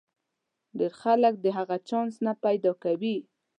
ډېر خلک د هغه چانس نه پیدا کوي.